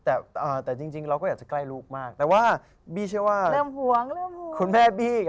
แม่เป็นคนเลี้ยงครับแต่จริงเราก็จะใกล้ลูกมากแต่ว่าบี